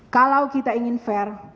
kalau kita ingin fair